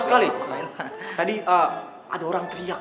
saya juga tau itu orang teriak